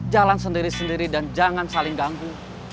jalan sendiri sendiri dan jangan saling ganggu